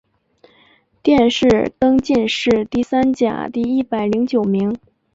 殿试登进士第三甲第一百零九名。